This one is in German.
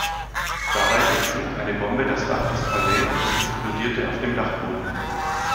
Dabei durchschlug eine Bombe das Dach des Palais und explodierte auf dem Dachboden.